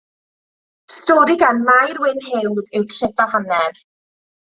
Stori gan Mair Wynn Hughes yw Trip a Hanner.